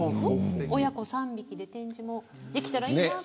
親子３匹で展示もできたらいいなと。